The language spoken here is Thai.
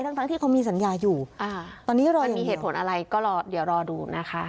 ทั้งที่เขามีสัญญาอยู่ตอนนี้รอมีเหตุผลอะไรก็รอเดี๋ยวรอดูนะคะ